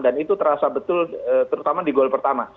dan itu terasa betul terutama di gol pertama